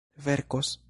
verkos